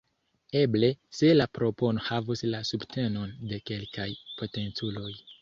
Eble - se la propono havus la subtenon de kelkaj potenculoj.